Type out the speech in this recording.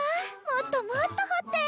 もっともっと掘って。